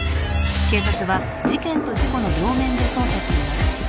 警察は事件と事故の両面で捜査しています